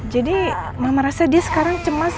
jadi mama rasanya dia sekarang cemas